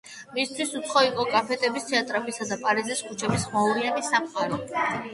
მისთვის უცხო იყო კაფეების, თეატრებისა და პარიზის ქუჩების ხმაურიანი სამყარო.